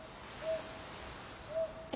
え。